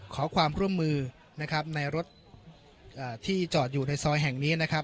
ขอความร่วมมือนะครับในรถที่จอดอยู่ในซอยแห่งนี้นะครับ